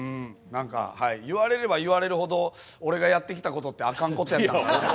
何かはい言われれば言われるほど俺がやってきたことってあかんことやったんかなって。